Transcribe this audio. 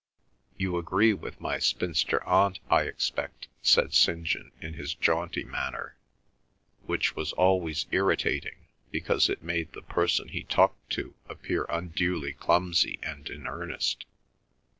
"You agree with my spinster Aunt, I expect," said St. John in his jaunty manner, which was always irritating because it made the person he talked to appear unduly clumsy and in earnest.